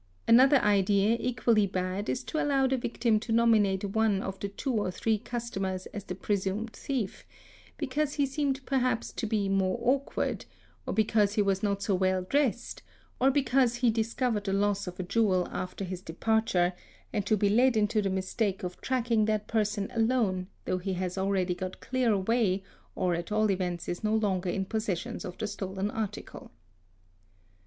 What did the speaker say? Another idea, equally bad, is to allow the victim to nominate ne of the two or three customers as the presumed thief, because he eemed perhaps to be more awkward, or because he was not so well tessed, or because he discovered the loss of a jewel after his departure, id to be led into the mistake of tracking that person alone, though he GEST E BLAD SRT, Ss SHE 5 (SREY ERE LSE TS Bs BAT ESS PON PER VCE LOTR Ree) LRAT Br 702 THEFT has already got clear away or at all events is no longer in possession of the stolen article.